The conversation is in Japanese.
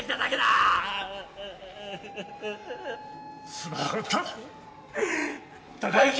すまなかった！！